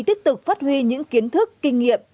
tiếp tục phát huy những kiến thức kinh nghiệm